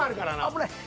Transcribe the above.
危ない。